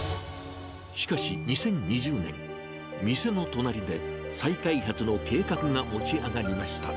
しかし、２０２０年、店の隣で、再開発の計画が持ち上がりました。